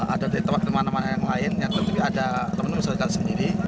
ada di tempat teman teman yang lain ada teman teman yang selesai sendiri